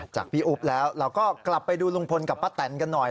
จากพี่อุ๊บแล้วเราก็กลับไปดูลุงพลกับป้าแตนกันหน่อย